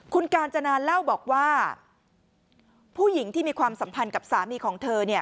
คุณกาญจนาเล่าบอกว่าผู้หญิงที่มีความสัมพันธ์กับสามีของเธอเนี่ย